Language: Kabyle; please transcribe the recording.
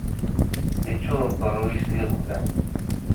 Iččuṛ uqeṛṛuy-is d iɣeblan.